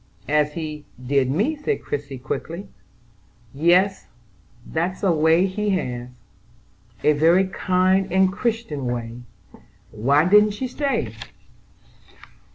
"As he did me?" said Christie quickly. "Yes, that's a way he has." "A very kind and Christian way. Why didn't she stay?"